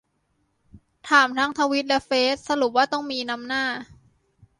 ถามทั้งทวิตและเฟซ สรุปว่า ต้องมี นำหน้า